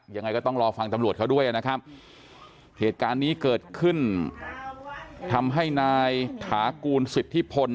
ยังไงก็ต้องรอฟังตำรวจเขาด้วยนะครับเหตุการณ์นี้เกิดขึ้นทำให้นายถากูลสิทธิพล